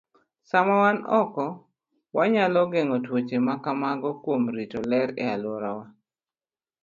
Sama wan oko, wanyalo geng'o tuoche ma kamago kuom rito ler e alworawa.